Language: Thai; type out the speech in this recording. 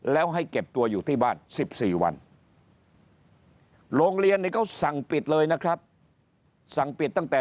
แล้วให้เก็บตัวอยู่ที่บ้าน๑๔วันโรงเรียนนี้เขาสั่งปิดเลยนะครับสั่งปิดตั้งแต่